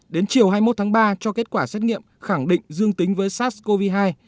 đến chiều hai mươi một tháng ba cho kết quả xét nghiệm khẳng định dương tính với sars cov hai